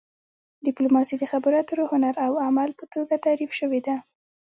ډیپلوماسي د خبرو اترو هنر او عمل په توګه تعریف شوې ده